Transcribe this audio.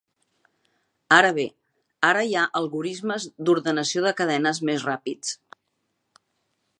Ara bé, ara hi ha algorismes d'ordenació de cadenes més ràpids.